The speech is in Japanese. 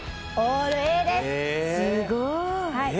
すごい！え！